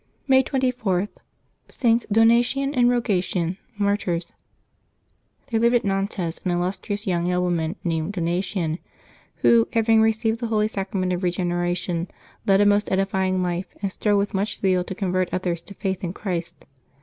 May 24.— STS. DONATIAN and ROGATIAN, Martyrs, J^nHere lived at Xantes an illustrious young nobleman V^ named Donatian, who, having received the holy Sacra ment of Eegeneration, led a most edif3dng life, and strove with much zeal to convert others to faith in Christ.